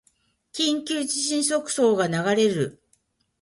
緊急地震速報が流れる